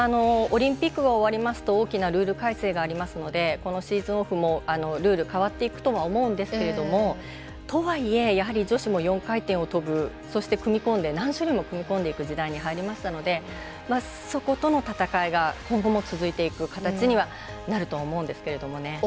オリンピックが終わりますと大きなルール改正がありますのでこのシーズンオフもルール変わっていくとは思うんですけれどもとはいえやはり女子も４回転を跳ぶそして組み込んで何種類の組み込んでいく時代に入りましたのでそことの戦いが今後も続いていく形にはなると思うんですけれどもね。